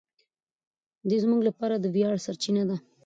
دی زموږ لپاره د ویاړ سرچینه ده.